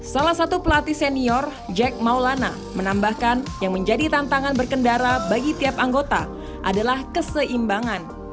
salah satu pelatih senior jack maulana menambahkan yang menjadi tantangan berkendara bagi tiap anggota adalah keseimbangan